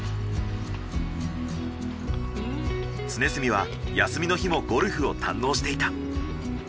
常住は休みの日もゴルフを堪能していた。